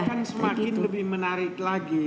itu kan semakin lebih menarik lagi